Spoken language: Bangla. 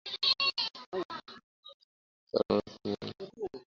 পরে ময়নাতদন্তের জন্য রাতেই লাশ ঢাকা মেডিকেল কলেজ হাসপাতালে পাঠানো হয়।